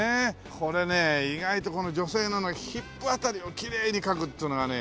これね意外とこの女性のヒップ辺りをきれいに描くっつうのがね